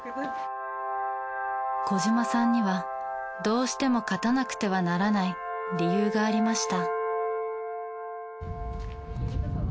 小嶋さんにはどうしても勝たなくてはならない理由がありました。